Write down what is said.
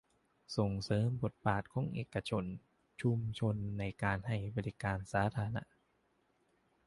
ส่งเสริมบทบาทของเอกชน ชุมชน ในการให้บริการสาธารณะ